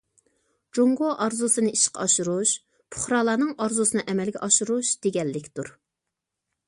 جۇڭگو ئارزۇسىنى ئىشقا ئاشۇرۇش پۇقرالارنىڭ ئارزۇسىنى ئەمەلگە ئاشۇرۇش دېگەنلىكتۇر.